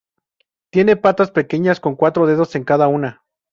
Tiene patas pequeñas con cuatro dedos en cada una.